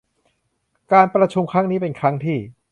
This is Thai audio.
การประชุมครั้งนี้เป็นครั้งที่